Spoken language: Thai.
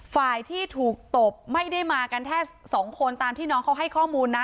ฝ่ายที่ถูกตบไม่ได้มากันแค่สองคนตามที่น้องเขาให้ข้อมูลนะ